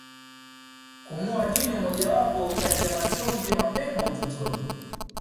Kungoa jino mojawapo kati ya machonge mapema utotoni